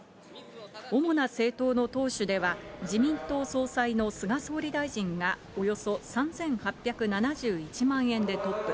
主な政党の党首では自民党総裁の菅総理大臣がおよそ３８７１万円でトップ。